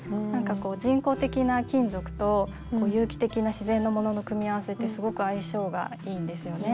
人工的な金属と有機的な自然のものの組み合わせってすごく相性がいいんですよね。